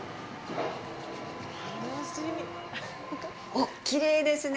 おっ、きれいですね。